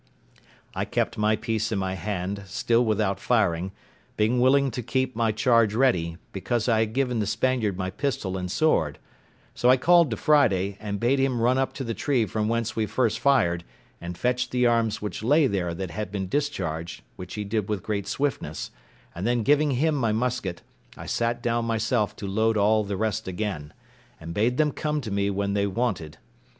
I kept my piece in my hand still without firing, being willing to keep my charge ready, because I had given the Spaniard my pistol and sword: so I called to Friday, and bade him run up to the tree from whence we first fired, and fetch the arms which lay there that had been discharged, which he did with great swiftness; and then giving him my musket, I sat down myself to load all the rest again, and bade them come to me when they wanted.